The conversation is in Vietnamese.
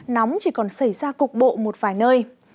nóng chỉ còn xảy ra cục bộ một vài nơi